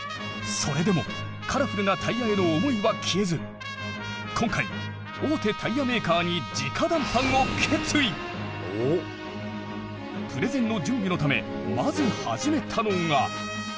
それでもカラフルなタイヤへの思いは消えず今回大手タイヤメーカーにプレゼンの準備のためまず始めたのが。